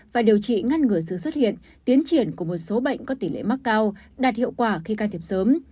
và điều trị ngăn ngừa sự xuất hiện tiến triển của một số bệnh có tỷ lệ mắc cao đạt hiệu quả khi can thiệp sớm